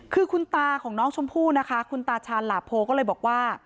คือคุณตาของน้องชมพู่นะคะคุณตาชาญหลาโพก็เลยบอกว่า